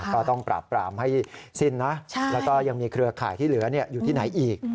ก็ต้องปราบปรามให้สิ้นนะแล้วก็ยังมีเครือข่ายที่เหลืออยู่ที่ไหนอีก